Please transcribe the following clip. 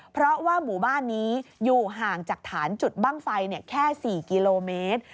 เพราะว่าหมู่บ้านนี้อยู่ห่างจากฐานจุดบ้างไฟแค่๔กิโลเมตร